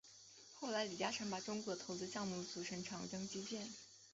后来李嘉诚把中国的投资项目组成长江基建。